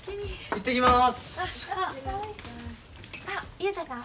行ってきます。